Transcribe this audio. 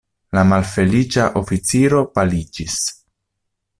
La malfeliĉa oficiro paliĝis.